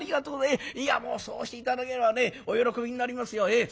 いやもうそうして頂ければねお喜びになりますよ。